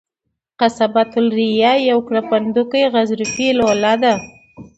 قصبة الریه یوه کرپندوکي غضروفي لوله ده.